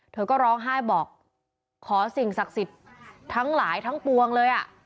เธอก็ร้องไห้บอกขอสิ่งศักดิ์สิทธิ์ทั้งหลายทั้งปวงเลยอ่ะ